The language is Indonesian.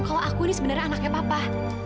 kalau aku ini sebenarnya anaknya papa